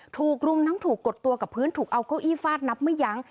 ถูกรุมทั้งถูกกดตัวกับพื้นถูกเอาเก้าอี้ฟาดนับไม่ยั้ง